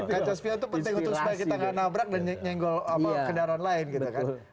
kecaspion itu penting untuk supaya kita gak nabrak dan nyenggol ke daerah lain gitu kan